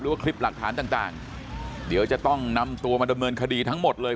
ว่าคลิปหลักฐานต่างเดี๋ยวจะต้องนำตัวมาดำเนินคดีทั้งหมดเลย